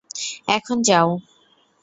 এখন, যাও।